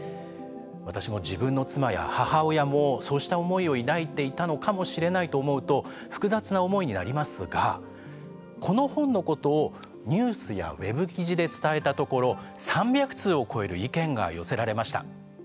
私も、自分の妻や母親もそうした思いを抱いていたのかもしれないと思うと複雑な思いになりますがこの本のことをニュースやウェブ記事で伝えたところ３００通を超える意見が寄せられました。